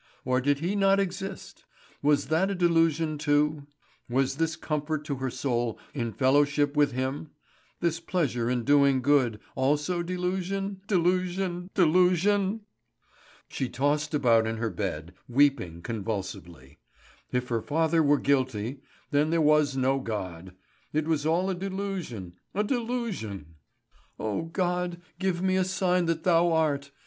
Or did He not exist? Was that a delusion too? Was this comfort to her soul in being in fellowship with Him, this pleasure in doing good, also delusion, delusion, delusion? She tossed about in her bed, weeping convulsively. If her father were guilty, then there was no God. It was all a delusion, a delusion! "O God, give me a sign that Thou art!